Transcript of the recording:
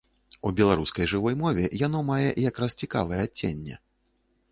У беларускай жывой мове яно мае якраз цікавае адценне.